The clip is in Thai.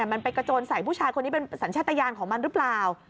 มันไปกระโจนใส่ผู้ชายคนนี้เป็นสัญชาติยานของมันหรือเปล่า